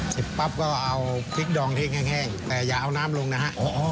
ปั๊บก็เอาพริกดองที่แห้งแต่อย่าเอาน้ำลงนะฮะ